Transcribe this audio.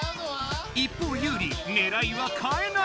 一方ユウリねらいはかえない！